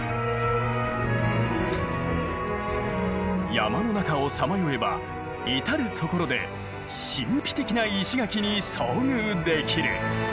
山の中をさまよえば至る所で神秘的な石垣に遭遇できる。